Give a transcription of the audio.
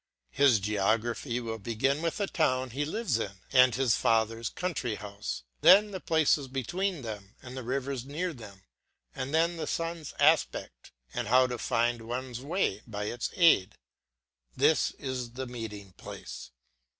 His geography will begin with the town he lives in and his father's country house, then the places between them, the rivers near them, and then the sun's aspect and how to find one's way by its aid. This is the meeting place.